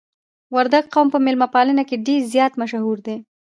وردګ قوم په میلمه پالنه کې ډیر زیات مشهور دي.